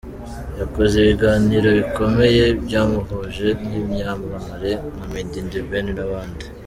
Yakoze ibiganiro bikomeye byamuhuje n’ibyamamare nka Meddy, The Ben n’abandi.